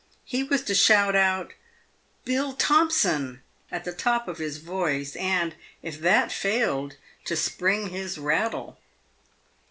He was to shout out "Bill Thomson!" at the top of his voice, and, if that failed, to spring his rattle.